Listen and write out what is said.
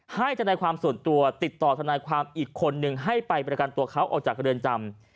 ทนายความส่วนตัวติดต่อทนายความอีกคนนึงให้ไปประกันตัวเขาออกจากเรือนจำ